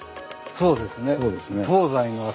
そうですね。